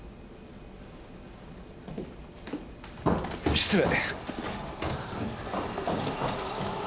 失礼。